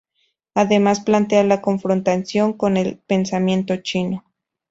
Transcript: Además plantea la confrontación con el pensamiento chino.